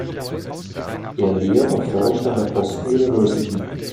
Er lehrt und forscht an der Boston University.